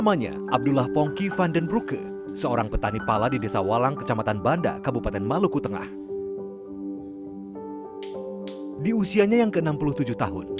pala yang diperebutkan penjajah